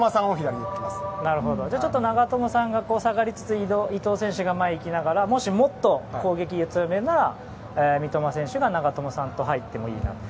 長友さんが下がりつつ伊東選手が前に行きながらもし、もっと攻撃を強めるなら三笘選手が長友選手と入ってもいいと。